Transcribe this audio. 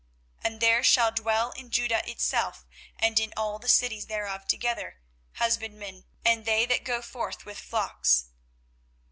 24:031:024 And there shall dwell in Judah itself, and in all the cities thereof together, husbandmen, and they that go forth with flocks.